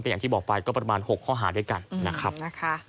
อย่างที่บอกไปก็ประมาณ๖ข้อหาด้วยกันนะครับ